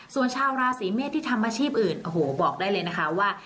ส่วนชาวราศีเมษที่ทำอาชีพอื่นโอ้โหบอกได้เลยนะคะว่า